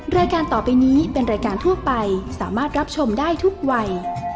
รายการต่อไปนี้เป็นรายการทั่วไปสามารถรับชมได้ทุกวัย